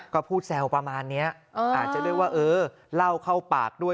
ก็พูดแซวประมาณนี้อาจจะเรียกว่าเออเล่าเข้าปากด้วย